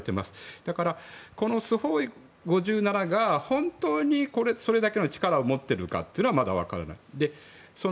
だから、このスホイ５７が本当にそれだけの力を持っているかはまだ分からない。